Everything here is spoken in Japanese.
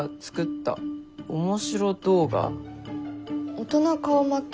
「大人顔負け！